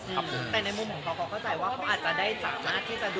แต่ในมุมของเขาเขาเข้าใจว่าเขาอาจจะได้สามารถที่จะดู